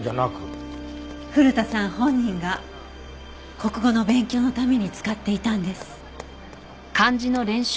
古田さん本人が国語の勉強のために使っていたんです。